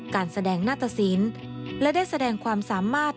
การแสดงหน้าตะสินและได้แสดงความสามารถ